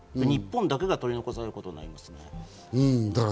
日本だけが取り残されることになります。